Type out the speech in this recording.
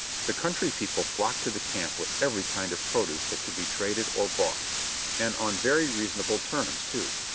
The country people flocked to the camp with every kind of produce that could be traded or bought, and on very reasonable terms, too.